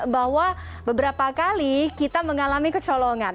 bahwa beberapa kali kita mengalami kecolongan